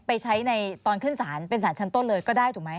ไปใช้ในตอนขึ้นศาลเก่งศาลชั้นต้นเลยก็ได้มั้ย